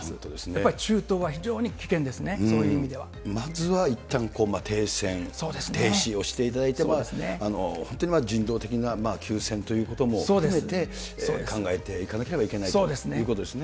やっぱり中東は非常に危険ですね、まずはいったん、停戦、停止をしていただいて、本当に人道的な休戦ということも含めて、考えていかなければいけそうですね。